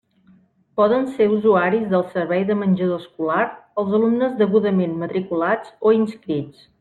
Poden ser usuaris del servei de menjador escolar els alumnes degudament matriculats o inscrits.